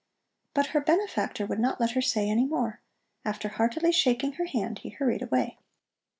But her benefactor would not let her say any more. After heartily shaking her hand, he hurried away.